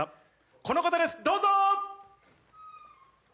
この方ですどうぞ！